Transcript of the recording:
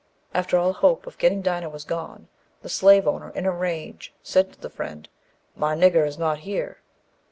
After all hope of getting Dinah was gone, the slave owner in a rage said to the Friend, "My nigger is not here."